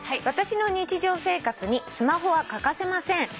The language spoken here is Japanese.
「私の日常生活にスマホは欠かせません」